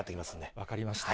分かりました。